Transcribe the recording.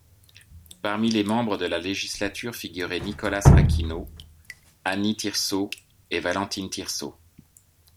Parmi les membres de la Législature figuraient Nicholas Aquino, Annie Tirso et Valentine Tirso.